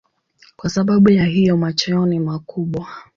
Kwa sababu ya hiyo macho yao ni makubwa.